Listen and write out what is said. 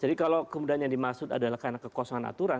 jadi kalau kemudian yang dimaksud adalah karena kekosongan aturan